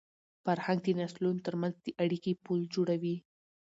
فرهنګ د نسلونو تر منځ د اړیکي پُل جوړوي.